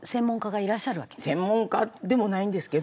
専門家でもないんですけど。